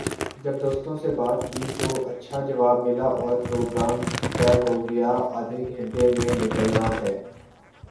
جب دوستوں سے بات کی تو اچھا جواب ملا اور پروگرام طے ہو گیا کہ آدھےگھنٹے میں نکلنا ہے ۔